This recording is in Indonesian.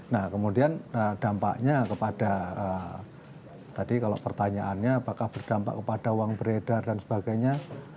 nah kemudian dampaknya kepada tadi kalau pertanyaannya apakah berdampak kepada uang beredar dan sebagainya